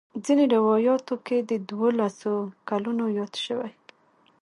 ځینې روایاتو کې د دولسو کلونو یاد شوی.